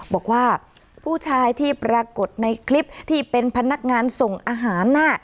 บอกว่าผู้ชายที่ปรากฏในคลิปที่เป็นพนักงานส่งอาหารน่ะ